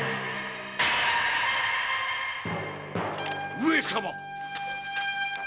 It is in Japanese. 上様！